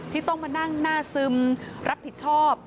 ที่ต้องมานั่งหน้าซึมรับผิดชอบ